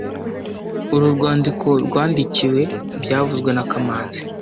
Uru rwandiko rwandikiwe byavuzwe na kamanzi